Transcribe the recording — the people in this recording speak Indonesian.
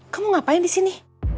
kamu ngapain disini